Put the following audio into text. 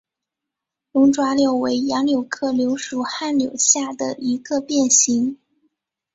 龙爪柳为杨柳科柳属旱柳下的一个变型。